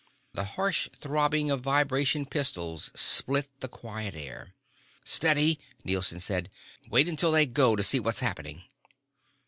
The harsh throbbing of vibration pistols split the quiet air. "Steady!" Nielson said. "Wait until they go to see what's happening."